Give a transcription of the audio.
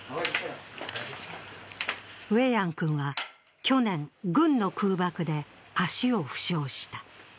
ウェヤン君は去年、軍の空爆で足を負傷した。